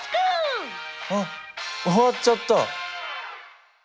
あっ終わっちゃった。